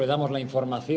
kami memberikan informasi